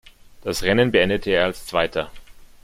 Das Rennen beendete er als Zweiter.